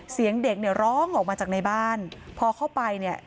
เสียงเด็กเนี่ยร้องออกมาจากในบ้านพอเข้าไปเนี่ย